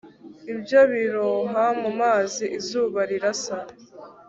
Ibyo byiroha mu mazi izuba rirasa